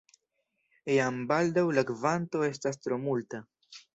Jam baldaŭ la kvanto estas tro multa.